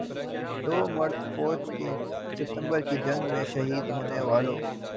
ذمرہ فوج چھ ستمبر کی جنگ میں شہید ہونے والوں